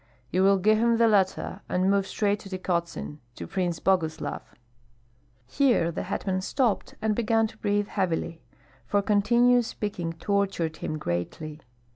You will give him the letter and move straight to Tykotsin, to Prince Boguslav " Here the hetman stopped and began to breathe heavily, for continuous speaking tortured him greatly.